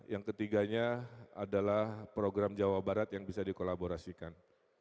yang ketiganya adalah program jawa barat yang bisa dikolaborasikan